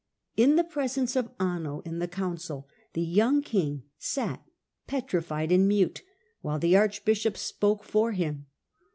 In the presence of Anno in the council the young king sat petrified and mute, whilst the archbishop spoke for him.